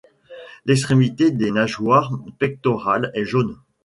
L'extrémité des nageoires pectorales est jaune.